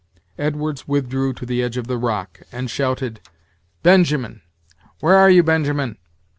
Edwards withdrew to the edge of the rock, and shouted: "Benjamin! where are you, Benjamin?"